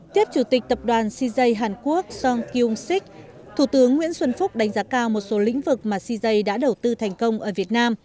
tiếp chủ tịch tập đoàn cj hàn quốc seong kyung sik thủ tướng nguyễn xuân phúc đánh giá cao một số lĩnh vực mà cj đã đầu tư thành công ở việt nam